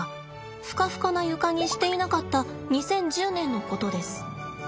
フカフカな床にしていなかった２０１０年のことです。